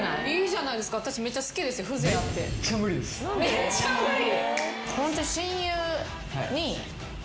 めっちゃ無理？